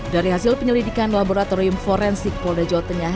dari hasil penyelidikan laboratorium forensik polda jawa tengah